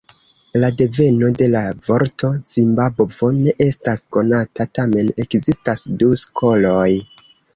La deveno de la vorto "Zimbabvo" ne estas konata, tamen ekzistas du skoloj.